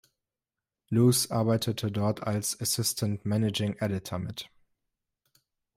Luce arbeitete dort als "Assistant Managing Editor" mit.